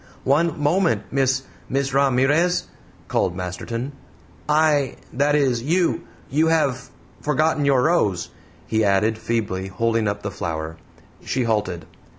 "One moment, Miss Miss Ramirez," called Masterton. "I that is you you have forgotten your rose," he added, feebly, holding up the flower. She halted.